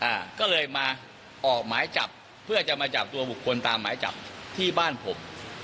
ทีนี้บิ๊กโจ๊กก็เลยมองว่ามันเหมือนกับว่าร่วมกันปกปิดข้อเท็จจริงต่อสารเดี๋ยวลองฟังเสียงดูนะคะ